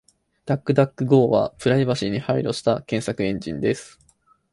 DuckDuckGo はプライバシーに配慮した検索エンジンです。